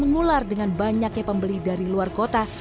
mengular dengan banyaknya pembeli dari luar kota